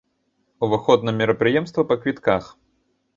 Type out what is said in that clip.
Уваход на мерапрыемствах па квітках.